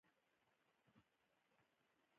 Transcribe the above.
ګاونډي ته د خیر دعا وکړه